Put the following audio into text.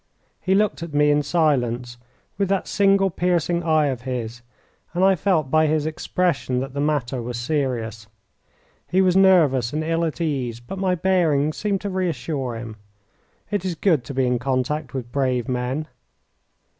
He looked at me in silence with that single piercing eye of his, and I felt by his expression that the matter was serious. He was nervous and ill at ease, but my bearing seemed to reassure him. It is good to be in contact with brave men.